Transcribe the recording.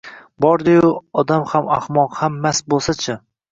Bordi-yu, odam ham ahmoq, ham mast bo`lsa-chi